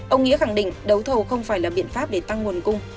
ông nghĩa khẳng định đấu thầu không phải là biện pháp để tăng nguồn cung